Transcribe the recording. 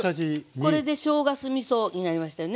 これでしょうが酢みそになりましたよね。